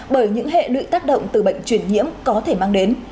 bởi những hệ lụy tác động từ bệnh truyền nhiễm có thể mang đến